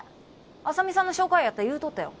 浅見さんの紹介やって言うとったよ。